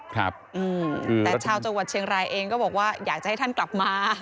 แต่ชาวจังหวัดเชียงรายเองก็บอกว่าอยากจะให้ท่านกลับมา